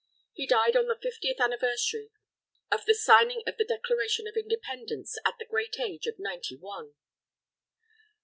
He died on the Fiftieth Anniversary of the Signing of the Declaration of Independence, at the great age of ninety one.